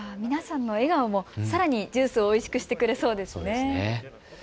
皆さんの笑顔もさらにジュースをおいしくしてくれそうですね。